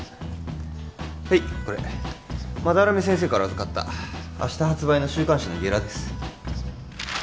はいこれ斑目先生から預かった明日発売の週刊誌のゲラです